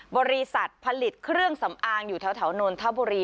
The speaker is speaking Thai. บริษัทผลิตเครื่องสำอางอยู่แถวนนทบุรี